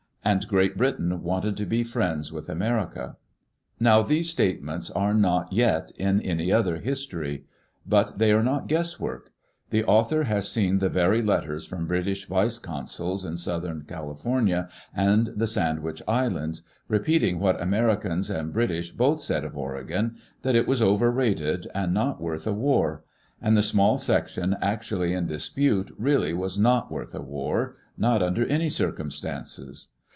And Great Britain wanted to be friends with America. Now these statements are not yet in any other history. But they are not guesswork. The author has seen the very letters from British vice consuls in southern California and the Sandwich Islands, repeating what Americans and British both said of Oregon: that it was "overrated" and Digitized by CjOOQIC EARLY DAYS IN OLD OREGON not worth a war. And the small section actually in dis pute really was not worth a war — not under any circum stances.